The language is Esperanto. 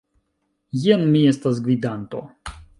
Jen, mi estas gvidanto.